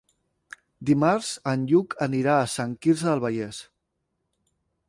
Dimarts en Lluc anirà a Sant Quirze del Vallès.